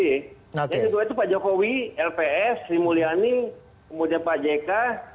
itu pak jokowi lps sri mulyani kemudian pak jk